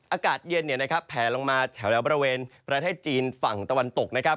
อากาศเย็นแผลลงมาแถวบริเวณประเทศจีนฝั่งตะวันตกนะครับ